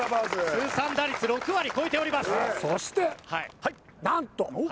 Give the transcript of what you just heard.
通算打率６割超えております！